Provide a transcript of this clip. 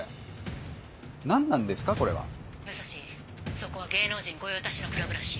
そこは芸能人御用達のクラブらしい。